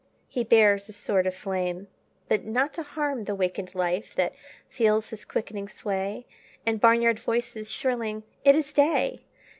He bears a sword of flame but not to harm The wakened life that feels his quickening sway And barnyard voices shrilling "It is day!"